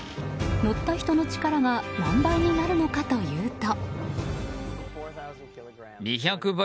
乗った人の力が何倍になるのかというと。